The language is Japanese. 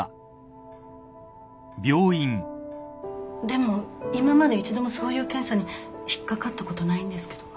でも今まで一度もそういう検査に引っかかったことないんですけども。